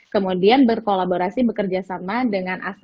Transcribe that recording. kemudian berkolaborasi bekerja sama dengan ip manajemen